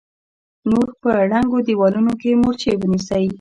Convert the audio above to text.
نور په ړنګو دېوالونو کې مورچې ونيسئ!